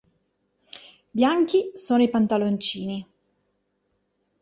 Bianchi sono i pantaloncini.